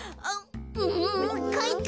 うんかいか！